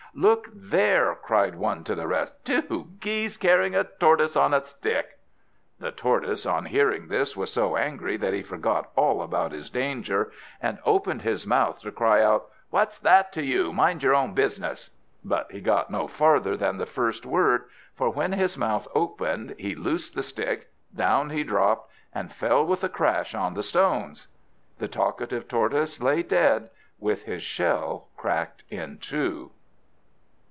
"Look there!" cried one to the rest, "two Geese carrying a Tortoise on a stick!" The Tortoise on hearing this was so angry that he forgot all about his danger, and opened his mouth to cry out: "What's that to you? Mind your own business!" But he got no farther than the first word; for when his mouth opened he loosed the stick, down he dropped, and fell with a crash on the stones. The talkative Tortoise lay dead, with his shell cracked in two.